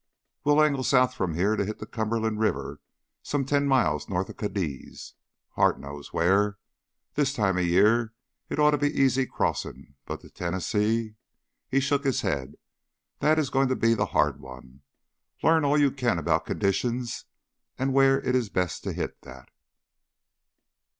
"We'll angle south from here to hit the Cumberland River some ten miles north of Cadiz, Hart knows where. This time of year it ought to be easy crossin'. But the Tennessee " he shook his head "that is goin' to be the hard one. Learn all you can about conditions and where it's best to hit that...."